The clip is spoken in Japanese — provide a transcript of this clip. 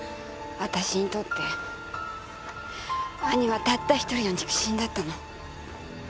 私にとって兄はたった１人の肉親だったの。